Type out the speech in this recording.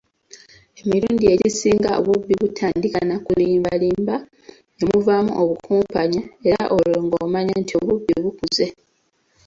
Emirundi egisinga obubbi butandika nakulimba limba, ne muvaamu okukumpanya, era olwo ng'omanya nti obubbi bukuze.